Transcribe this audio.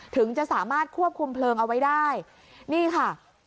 ถึงจะสามารถควบคุมเพลิงเอาไว้ได้นี่ค่ะ